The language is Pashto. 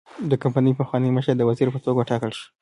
د کمپنۍ پخوانی مشر د وزیر په توګه وټاکل شو.